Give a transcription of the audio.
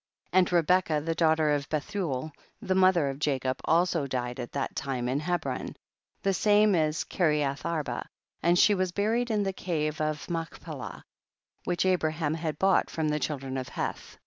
5. And Rebecca the daughter of Bethuel, the mother of Jacob, also died at that time in Hebron, the same is Kireath arba, and she was buried in the cave of Machpelah which Abraham had bought from the children of Heth.